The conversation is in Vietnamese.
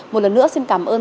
một lần nữa xin cảm ơn